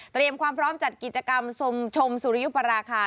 ความพร้อมจัดกิจกรรมชมสุริยุปราคา